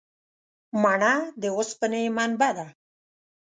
مڼه د اوسپنې منبع ده.